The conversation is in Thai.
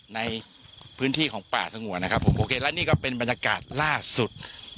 ในพื้นที่ของป่าสงวนนะครับผมโอเคและนี่ก็เป็นบรรยากาศล่าสุด